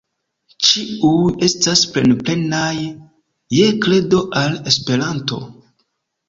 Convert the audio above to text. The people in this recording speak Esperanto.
Ĉiuj estas plen-plenaj je kredo al Esperanto.